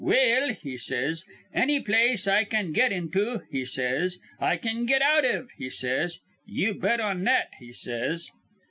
'Well,' he says, 'anny place I can get into,' he says, 'I can get out iv,' he says. 'Ye bet on that,' he says.